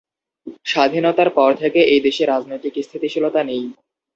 স্বাধীনতার পর থেকে এই দেশে রাজনৈতিক স্থিতিশীলতা নেই